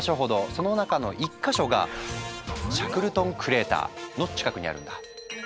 その中の１か所がシャックルトン・クレーターの近くにあるんだ。